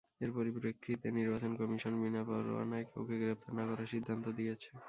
এর পরিপ্রেক্ষিতে নির্বাচন কমিশন বিনা পরোয়ানায় কাউকে গ্রেপ্তার না করার সিদ্ধান্ত দিয়েছে।